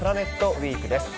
ウィークです。